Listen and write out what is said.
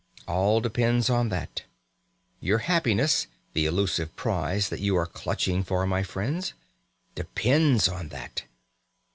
All depends on that. Your happiness the elusive prize that you are all clutching for, my friends! depends on that.